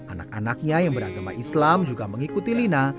anak anaknya yang beragama islam juga mengikuti lina